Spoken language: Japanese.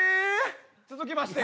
続きまして。